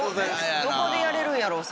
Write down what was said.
どこでやれるんやろう？